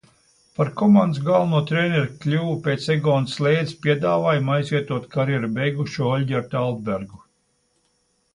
Par komandas galveno treneri kļuva pēc Egona Slēdes piedāvājuma aizvietot karjeru beigušo Oļģertu Altbergu.